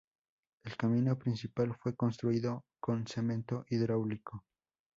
El camino principal fue construido con cemento hidráulico.